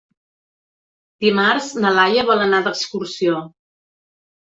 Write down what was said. Dimarts na Laia vol anar d'excursió.